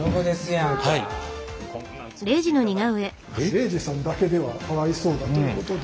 礼二さんだけではかわいそうだということで。